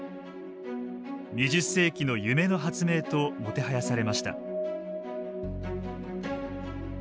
２０世紀の夢の発明ともてはやされました。